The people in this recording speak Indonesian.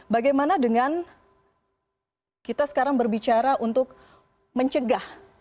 bagaimana dengan kita sekarang berbicara untuk mencegah